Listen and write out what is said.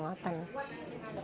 tidak ada yang bayar